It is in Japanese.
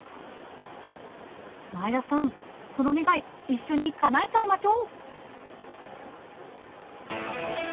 前田さんその願い一緒にかなえちゃいましょう！